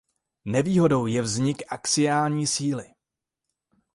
Nevýhodou je vznik axiální síly.